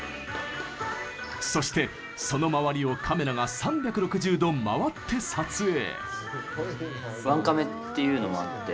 そして、その周りをカメラが３６０度回って撮影。